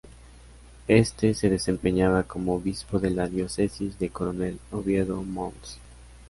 Éste se desempeñaba como Obispo de la Diócesis de Coronel Oviedo; Mons.